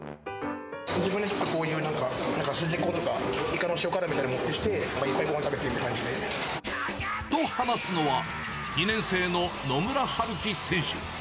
自分でこういうなんか、スジコとかイカの塩辛とかを持ってきて、いっぱいごはんを食べてと話すのは、２年生の野村はるき選手。